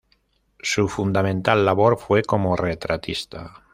Su fundamental labor fue como retratista.